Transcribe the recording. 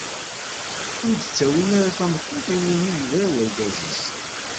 Ur d-ttawin ara tameṭṭut iwumi i yebra urgaz-is.